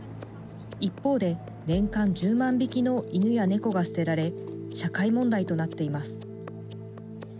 一方で年間１０万匹の犬や猫が捨てられ社会問題となっています。